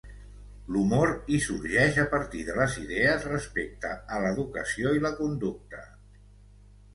L'humor hi sorgeix a partir de les idees respecte a l'educació i la conducta.